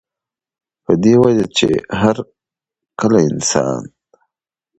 پۀ دې وجه چې هر کله انسان